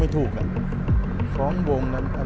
ไม่รู้ว่ามีคนติดละนาด